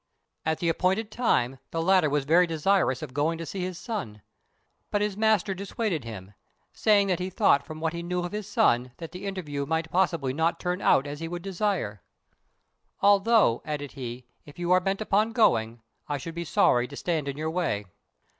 At the appointed time the latter was very desirous of going to see his son; but his master dissuaded him, saying that he thought from what he knew of his son that the interview might possibly not turn out as he would desire; "Although," added he, "if you are bent upon going, I should be sorry to stand in your way.